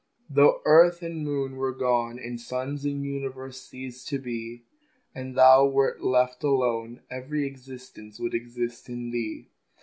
Though earth and man were gone, And suns and universes ceased to be, And Thou were left alone, Every existence would exist in Thee.